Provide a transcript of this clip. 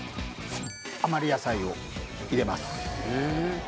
余り野菜を入れます。